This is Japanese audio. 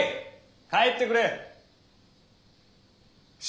帰ってくれ。